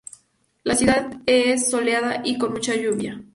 La ciudad es soleada y con mucha lluvia.